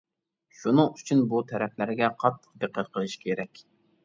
شۇنىڭ ئۈچۈن بۇ تەرەپلەرگە قاتتىق دىققەت قىلىش كېرەك.